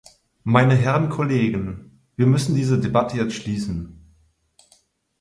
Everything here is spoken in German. Meine Herren Kollegen, wir müssen diese Debatte jetzt schließen.